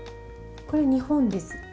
これ日本です。